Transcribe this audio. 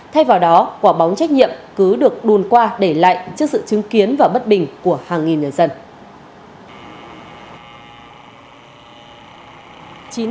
thay vào đó quả bóng trách nhiệm cứ được đùn qua để lại trước sự chứng kiến và bất bình của hàng nghìn người dân